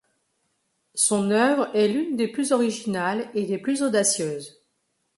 Son œuvre est l’une des plus originales et des plus audacieuses.